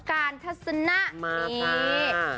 การทัศนะมาค่ะ